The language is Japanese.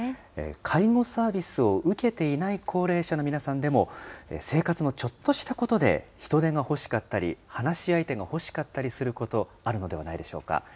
介護サービスを受けていない高齢者の皆さんでも、生活のちょっとしたことで、人手が欲しかったり、話し相手が欲しかったりすること、あるのではないでしょうか。